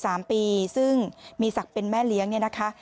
สามปีซึ่งมีศักดิ์เป็นแม่เลี้ยงเนี่ยนะคะ